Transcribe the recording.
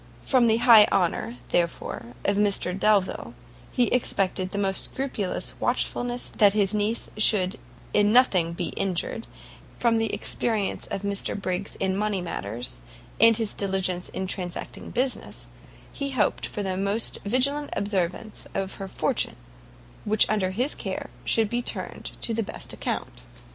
From the high honour, therefore, of Mr Delvile, he expected the most scrupulous watchfulness that his niece should in nothing be injured, and from the experience of Mr Briggs in money matters, and his diligence in transacting business, he hoped for the most vigilant observance that her fortune, while under his care, should be turned to the best account.